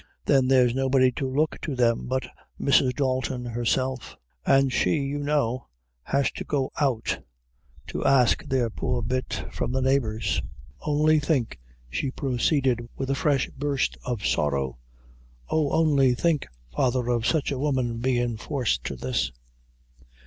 Then there's nobody to look to them but Mrs. Dalton herself; an' she, you know, has to go 'out' to ask their poor bit from the neighbors. Only think," she proceeded, with a fresh burst of sorrow, "oh, only think, father, of sich a woman bein' forced to this!"